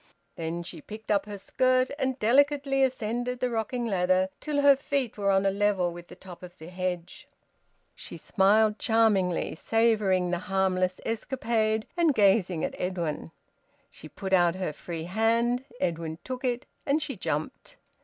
Then she picked up her skirt and delicately ascended the rocking ladder till her feet were on a level with the top of the hedge. She smiled charmingly, savouring the harmless escapade, and gazing at Edwin. She put out her free hand, Edwin took it, and she jumped.